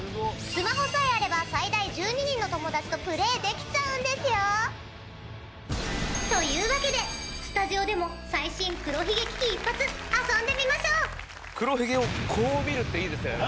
スマホさえあれば最大１２人の友達とプレーできちゃうんですよ！というわけでスタジオでも最新黒ひげ危機一発遊んでみましょう！